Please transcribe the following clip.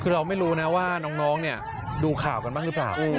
คือเราไม่รู้นะว่าน้องเนี่ยดูข่าวกันบ้างหรือเปล่า